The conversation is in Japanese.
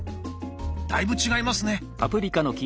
だいぶ違いますね。